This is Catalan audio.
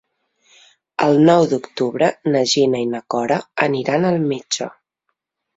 El nou d'octubre na Gina i na Cora aniran al metge.